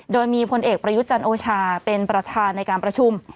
โดยมีพลเอกประยุทธ์จันโอชาเป็นประธานในการประชุม